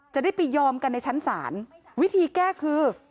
จะได้ไปยอมกันในชั้นศาลวิธีแก้คือ